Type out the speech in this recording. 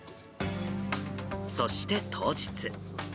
そして当日。